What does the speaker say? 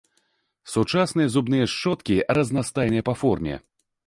Сучасныя зубныя шчоткі разнастайныя па форме.